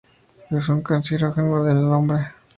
Es un carcinógeno en el hombre.